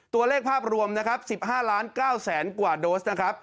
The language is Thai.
ตัวเลขภาพรวม๑๕๙๐๐๐๐๐กว่าโดสฮะ